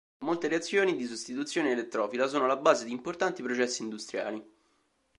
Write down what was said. Molte reazioni di sostituzione elettrofila sono alla base di importanti processi industriali.